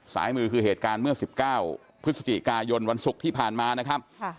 สายมือคือเหตุการณ์เมื่อ๑๙พฤศจิกายนวันศุกร์ที่ผ่านมานะครับ